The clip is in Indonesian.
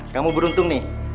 kamu beruntung nih